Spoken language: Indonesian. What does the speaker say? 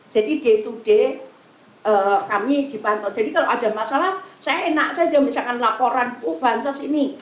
jadi day to day kami dibantau jadi kalau ada masalah saya enak saja misalkan laporan oh bantuan saya sini